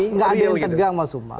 enggak ada yang tegang mas umam